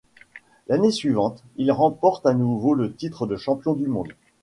L'année suivante, ils remportent à nouveau le titre de champions du monde.